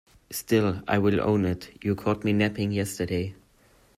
Still, I will own it, you caught me napping yesterday.